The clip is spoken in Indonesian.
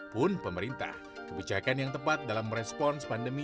pun pemerintah kebijakan yang tepat dalam merespons pandemi